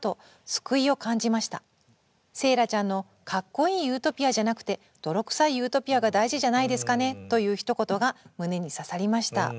セーラちゃんの『カッコいいユートピアじゃなくて泥臭いユートピアが大事じゃないですかね』というひと言が胸に刺さりました」ということです。